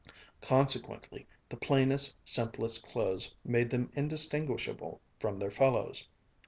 Consequently the plainest, simplest clothes made them indistinguishable from their fellows.